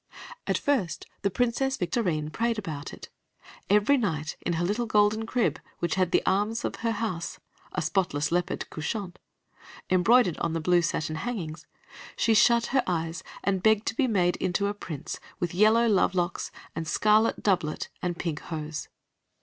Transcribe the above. At first the Princess Victorine prayed about it. Every night, in her little golden crib, which had the arms of her house a spotless leopard, couchant embroidered on the blue satin hangings, she shut her eyes and begged to be made into a prince with yellow love locks and scarlet doublet and pink hose.